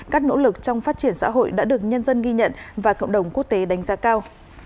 các nỗ lực trong phát triển xã hội đã được nhân dân ghi nhận và cộng đồng quốc tế đánh giá cao